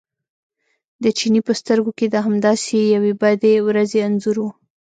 د چیني په سترګو کې د همداسې یوې بدې ورځې انځور و.